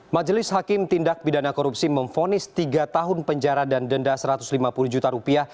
majelis hakim tindak pidana korupsi memfonis tiga tahun penjara dan denda satu ratus lima puluh juta rupiah